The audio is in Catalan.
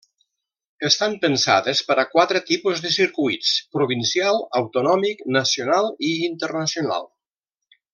Estan pensades per a quatre tipus de circuits: provincial, autonòmic, nacional i internacional.